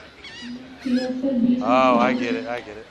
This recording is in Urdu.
درخت کی اصل بیج میں چھپی ہے۔